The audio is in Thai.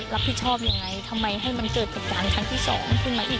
รับผิดชอบยังไงทำไมให้มันเกิดเหตุการณ์ครั้งที่สองขึ้นมาอีก